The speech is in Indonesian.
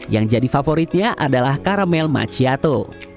yang jadi favoritnya adalah karamel maciato